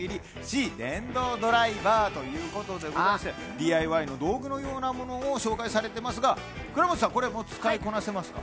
ＤＩＹの道具のようなものを紹介されていますが、倉持さん、使いこなせますか？